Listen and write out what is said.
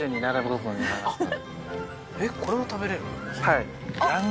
はい。